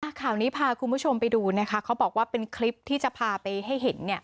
ข่าวนี้พาคุณผู้ชมไปดูนะคะเขาบอกว่าเป็นคลิปที่จะพาไปให้เห็นเนี่ย